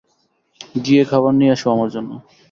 গিয়ে খাবার নিয়ে আসো আমার জন্য।